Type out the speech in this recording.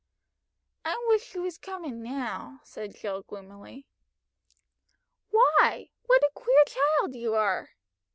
"I wish she was coming now," said Jill gloomily. "Why? What a queer child you are."